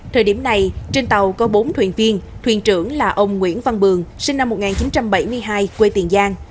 thời điểm này trên tàu có bốn thuyền viên thuyền trưởng là ông nguyễn văn bường sinh năm một nghìn chín trăm bảy mươi hai quê tiền giang